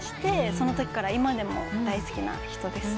そのときから今でも大好きな人です。